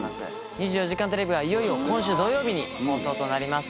『２４時間テレビ』がいよいよ今週土曜日に放送となります。